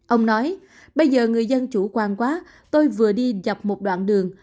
ông nói bây giờ người dân chủ quan quá tôi vừa đi dọc một đoạn đường